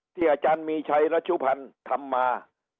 อาจารย์มีชัยรัชุพันธ์ทำมา